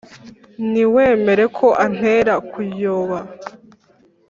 ntiwemere ko antera kuyoba.